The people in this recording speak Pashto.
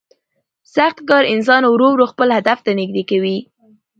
سخت کار انسان ورو ورو خپل هدف ته نږدې کوي